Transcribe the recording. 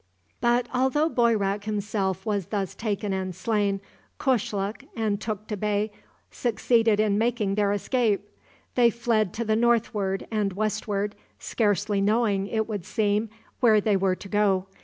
But, although Boyrak himself was thus taken and slain, Kushluk and Tukta Bey succeeded in making their escape. They fled to the northward and westward, scarcely knowing, it would seem, where they were to go.